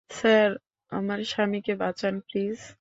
Sir, আমার স্বামীকে বাঁচান প্লিজ।